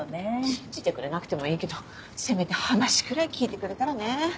信じてくれなくてもいいけどせめて話くらい聞いてくれたらね。